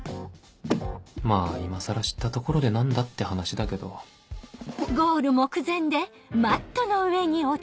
まぁ今更知ったところで何だって話だけどうっ！